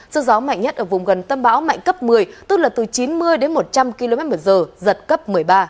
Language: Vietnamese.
sự gió mạnh nhất ở vùng gần tâm bão mạnh cấp một mươi tức là từ chín mươi đến một trăm linh kmh giật cấp một mươi ba